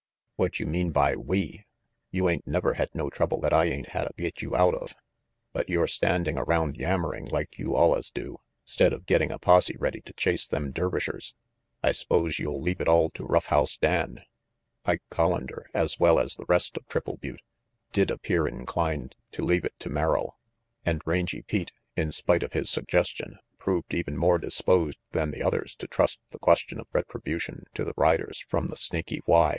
"What you meanin' by we? You ain't never had no trouble that I ain't hadda get you out of. But you're standing around yammering like you allus do, 'stead of getting a posse ready to chase them Dervishers. I s'pose you'll leave it all to Rough House Dan." 46 RANGY PETE Ike (Hollander, as well as the rest of Triple Butte, did appear inclined to leave it to Merrill. And Rangy Pete, in spite of his suggestion, proved even more disposed than the others to trust the question of retribution to the riders from the Snaky Y.